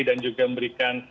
dan juga memberikan